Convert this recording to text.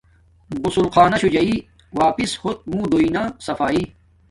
غسل خانا شو جاݵ واپس ہوت منہ دویݵ نا صفایݵ